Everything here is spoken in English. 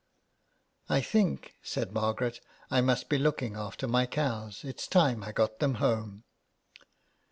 " I think," said Margaret, " I must be looking after my cows ; its time I got them home."